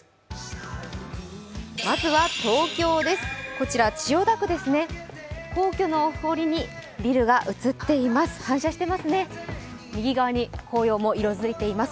まずは東京です。